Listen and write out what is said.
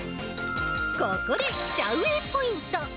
ここでシャウ・ウェイポイント。